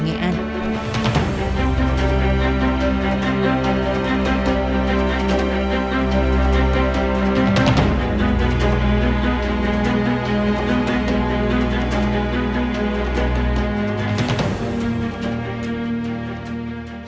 ngoại truyền thanh niên